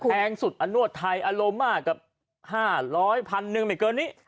แพงสุดอนวดไทยอารมณ์มากกับ๕๐๐พันหนึ่งไม่เกินนี้